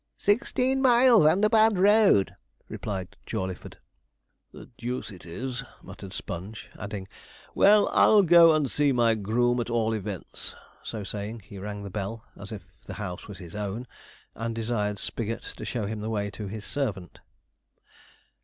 'Sixteen miles, and bad road,' replied Jawleyford. 'The deuce it is!' muttered Sponge; adding, 'Well, I'll go and see my groom, at all events.' So saying, he rang the bell as if the house was his own, and desired Spigot to show him the way to his servant.